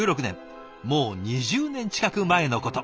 もう２０年近く前のこと。